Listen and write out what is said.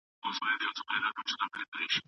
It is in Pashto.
کمپيوټر سيګنال څاري.